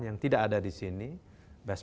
yang tidak ada di sini best